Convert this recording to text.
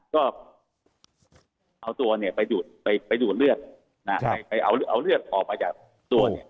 ก็เอาตัวเนี่ยไปดูดไปดูดเลือดนะฮะไปเอาเลือดออกมาจากตัวเนี่ย